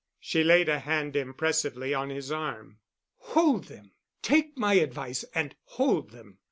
She laid a hand impressively on his arm. "Hold them. Take my advice and hold them.